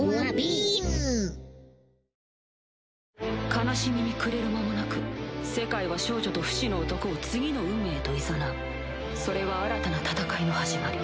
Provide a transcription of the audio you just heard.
悲しみに暮れる間もなく世界は少女と不死の男を次の運命へといざなうそれは新たな戦いの始まり